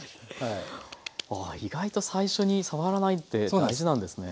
あ意外と最初に触らないって大事なんですね。